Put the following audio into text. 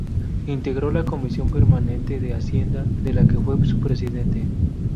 Integró la Comisión Permanente de Hacienda, de la que fue su presidente.